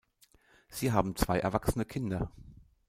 Sie haben zwei erwachsene Kinder.